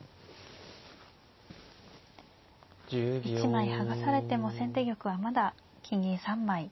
１枚剥がされても先手玉はまだ金銀３枚ありますね。